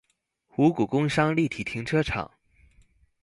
五股工商立體停車場